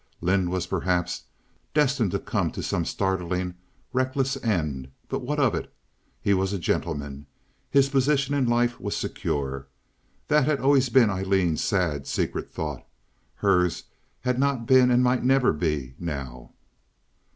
Lynde was perhaps destined to come to some startlingly reckless end, but what of it? He was a gentleman. His position in life was secure. That had always been Aileen's sad, secret thought. Hers had not been and might never be now.